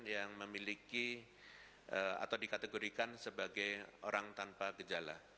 yang memiliki atau dikategorikan sebagai orang tanpa gejala